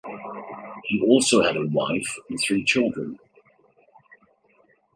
He also had a wife and three children.